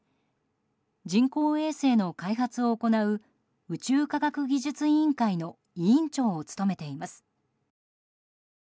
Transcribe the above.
人工衛星の開発を行う宇宙科学技術委員会の委員長を務めています。